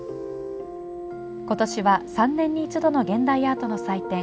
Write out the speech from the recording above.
ことしは、３年に１度の現代アートの祭典